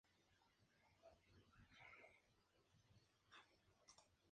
Es un cráter alargado, de forma irregular, situado sobre el borde de Bowditch.